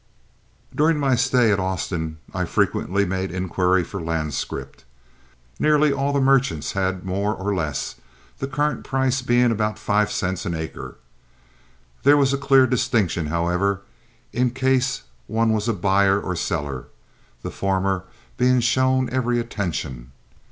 During my stay at Austin I frequently made inquiry for land scrip. Nearly all the merchants had more or less, the current prices being about five cents an acre. There was a clear distinction, however, in case one was a buyer or seller, the former being shown every attention.